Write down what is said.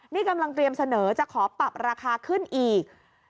นี่กำลังเตรียมเสนอจะขอปรับราคาขึ้นอีก